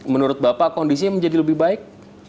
menurut bapak kondisinya menjadi lebih baik